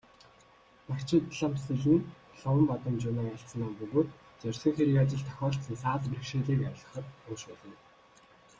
Барчидламсэл нь Ловонбадамжунайн айлдсан ном бөгөөд зорьсон хэрэг ажилд тохиолдсон саад бэрхшээлийг арилгахад уншуулна.